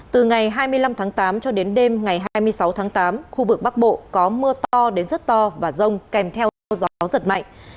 từ ngày hai mươi năm tháng tám cho đến đêm ngày hai mươi sáu tháng tám khu vực bắc bộ có mưa to đến rất to và rông kèm theo gió giật mạnh